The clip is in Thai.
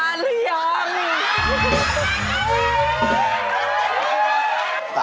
เป็นเรื่องราวของแม่นาคกับพี่ม่าครับ